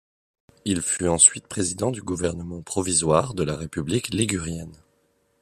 Il fut ensuite président du gouvernement provisoire de la République ligurienne.